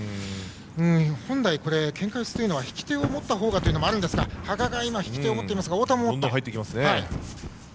本来、けんか四つというのは引き手を持ったほうがというのがありますが羽賀が引き手を持っていますが太田も持った。